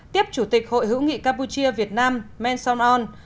tiếp chủ tịch hội hữu nghị campuchia việt nam manson on